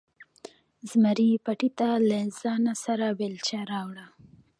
زمري پټي ته له ځانه سره بیلچه راوړه.